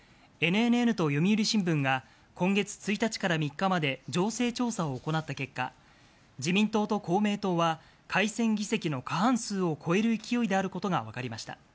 ＮＮＮと読売新聞が今月１日から３日まで情勢調査を行った結果、自民党と公明党は改選議席の過半数を超える勢いであることがわかりました。